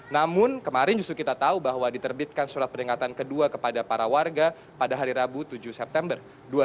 namun kemarin justru kita tahu bahwa diterbitkan surat peringatan kedua kepada para warga pada hari rabu tujuh september dua ribu dua puluh